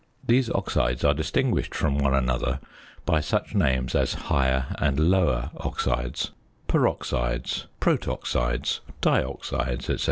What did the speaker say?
These oxides are distinguished from one another by such names as "higher" and "lower oxides," "peroxides," "protoxides," "dioxides," &c.